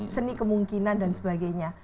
seni kemungkinan dan sebagainya